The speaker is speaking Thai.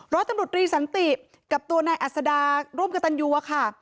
ร้อยตำรวจรีสันติกับตัวนายอัศดาร่วมกับตันยูอะค่ะ